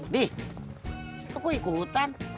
di kok ikutan